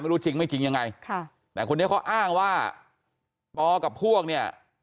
ไม่รู้จริงไม่จริงยังไงค่ะแต่คนนี้เขาอ้างว่าปอกับพวกเนี่ย